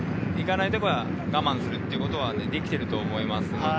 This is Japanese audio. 行かないところは我慢するってことはできていると思います。